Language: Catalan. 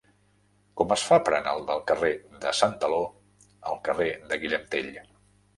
Com es fa per anar del carrer de Santaló al carrer de Guillem Tell?